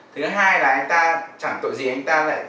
thứ hai là anh ta chẳng tội gì anh ta này